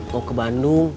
mau ke bandung